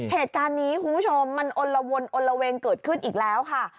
เหตุการณ์นี้คุณผู้ชมมันอลละวนอนละเวงเกิดขึ้นอีกแล้วค่ะ